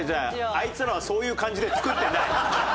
あいつらはそういう感じで作ってない。